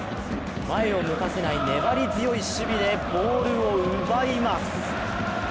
前を向かせない粘り強い守備でボールを奪います。